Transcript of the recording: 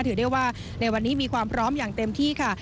ถือได้ว่าในวันนี้มีความพร้อมอย่างเต็มที่ค่ะ